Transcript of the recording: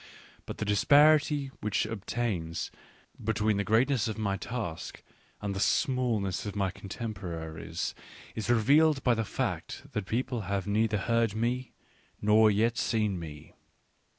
But the disparity which obtains between the greatness of my task and the smallness of my contemporaries, is revealed by the fact that people have neither heard me nor yet seen me.